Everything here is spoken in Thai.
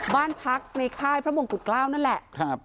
บ้านพักในค่ายพระมงกุฎเกล้านั่นแหละ